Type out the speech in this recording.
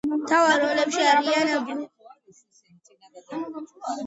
მთავარ როლებში არიან ბრუკ შილდსი, ლამბერტ უილსონი, ჯონ მილზი და ჰორსტ ბუხჰოლცი.